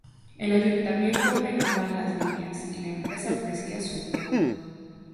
El Ayuntamiento ordenaba las líneas y la empresa ofrecía su flota.